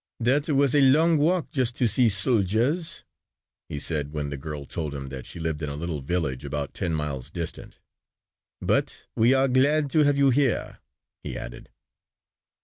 "That was a long walk just to see soldiers," he said when the girl told him that she lived in a little village about ten miles distant. "But we are glad to have you here," he added.